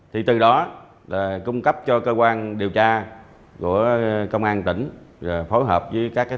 thì từ đó là cung cấp cho cơ quan điện thoại